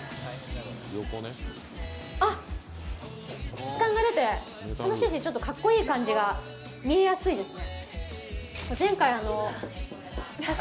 質感が出て楽しいしちょっとかっこいい感じが見えやすいですね。